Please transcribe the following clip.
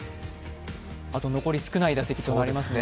あと残り少ない打席となりますね。